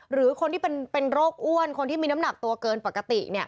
หรือคนที่เป็นโรคอ้วนคนที่มีน้ำหนักตัวเกินปกติ